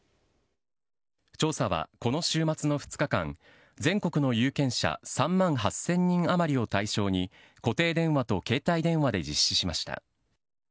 調査はこの週末の２日間全国の有権者３万８０００人余りを対象に固定電話と携帯電話で実施しました。